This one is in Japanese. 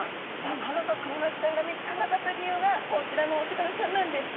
なかなかクニマスちゃんが見つからなかった理由がこちらのお魚ちゃんなんです！